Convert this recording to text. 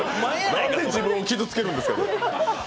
なんで自分を傷つけるんですか。